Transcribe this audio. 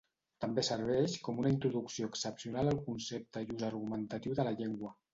També serveix com una introducció excepcional al concepte i ús argumentatiu de la llengua.